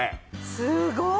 すごい！